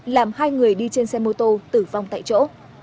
làm hai người đi trên xe mô tô tử vong tại chỗ